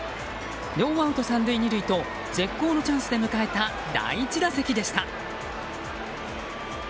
ノーアウト３塁２塁と絶好のチャンスで迎えた第１打席でした。